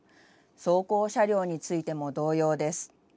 走行車両についても同様です。